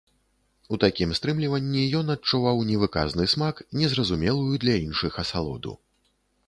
У такім стрымліванні ён адчуваў невыказны смак, незразумелую для іншых асалоду.